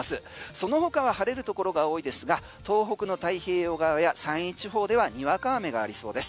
その他は晴れるところが多いですが東北の太平洋側や山陰地方ではにわか雨がありそうです。